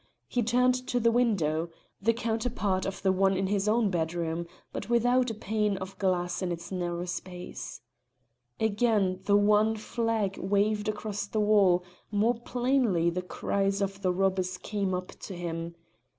He turned to the window the counterpart of the one in his own bedroom, but without a pane of glass in its narrow space. Again the wan flag waved across the wall, more plainly the cries of the robbers came up to him.